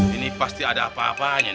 ini pasti ada apa apanya nih